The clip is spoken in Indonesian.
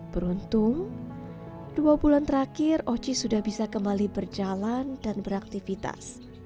beruntung dua bulan terakhir oci sudah bisa kembali berjalan dan beraktivitas